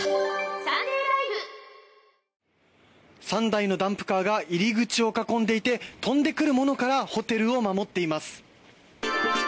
３台のダンプカーが入り口を囲んでいて飛んでくるものからホテルを守っています。